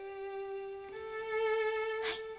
はい。